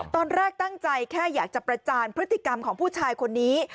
ตอนแรกตั้งใจแค่อยากจะประจานพฤติกรรมของผู้ชายคนนี้